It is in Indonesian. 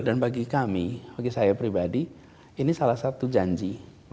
dan bagi kami bagi saya pribadi ini salah satu janji